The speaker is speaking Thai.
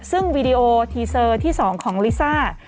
ซึ่งวีดีโอทีเซอร์ที่๒ของลิซ่า